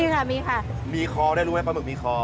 หวังว่าจะมีอะไรนะครับ